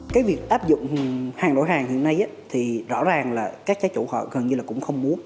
cái việc áp dụng hàng đổi hàng hiện nay thì rõ ràng là các cái chủ họ gần như là cũng không muốn